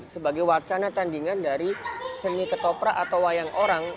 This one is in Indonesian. sebagai wacana tandingan dari seni ketoprak atau wayang orang